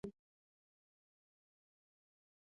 د افغانستان طبیعت له لمریز ځواک څخه جوړ شوی دی.